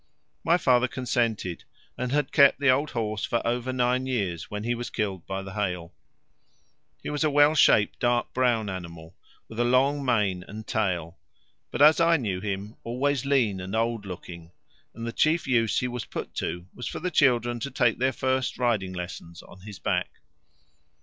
My father consented, and had kept the old horse for over nine years when he was killed by the hail. He was a well shaped dark brown animal, with long mane and tail, but, as I knew him, always lean and old looking, and the chief use he was put to was for the children to take their first riding lessons on his back.